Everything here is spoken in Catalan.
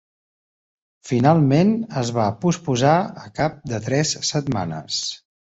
Finalment, es va posposar al cap de tres setmanes.